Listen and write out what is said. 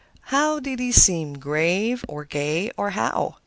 How did he seem—grave, or gay, or how?